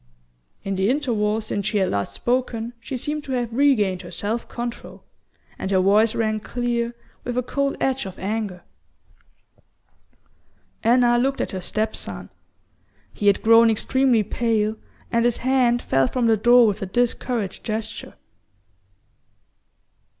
In the interval since she had last spoken she seemed to have regained her self control, and her voice rang clear, with a cold edge of anger. Anna looked at her step son. He had grown extremely pale, and his hand fell from the door with a discouraged gesture.